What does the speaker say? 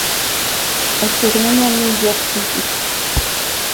Estudió en la New York University.